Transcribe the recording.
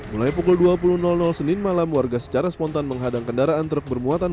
mulai pukul dua puluh senin malam warga secara spontan menghadang kendaraan truk bermuatan